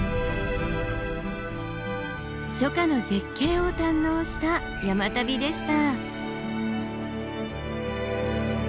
初夏の絶景を堪能した山旅でした。